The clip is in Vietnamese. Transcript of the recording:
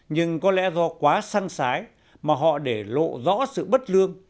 nhưng có lẽ do quá săng sái mà họ để lộ rõ sự bất lương